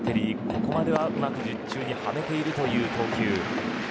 ここまでは、うまく術中にはめているという投球。